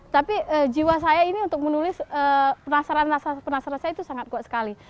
tapi jiwa saya ini untuk menulis penasaran penasaran saya itu sangat kuat sekali